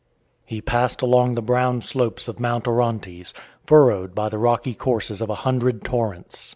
He passed along the brown slopes of Mt. Orontes, furrowed by the rocky courses of a hundred torrents.